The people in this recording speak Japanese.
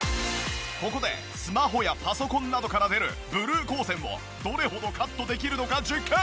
ここでスマホやパソコンなどから出るブルー光線をどれほどカットできるのか実験！